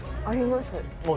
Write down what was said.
あります。